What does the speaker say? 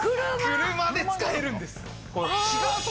車で使えるんです。